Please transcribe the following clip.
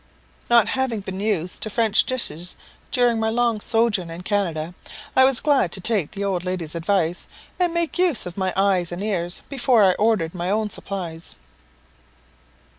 Not having been used to French dishes during my long sojourn in Canada, I was glad to take the old lady's advice, and make use of my eyes and ears before I ordered my own supplies.